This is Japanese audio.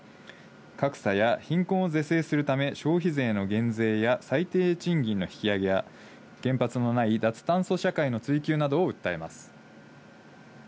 格差や貧困を是正するため消費税の減税や最低賃金の引き上げ、原発のない脱炭素社会の追求などを訴えます。